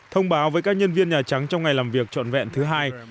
thông báo với các nhân viên nhà trắng trong ngày làm việc trọn vẹn thứ hai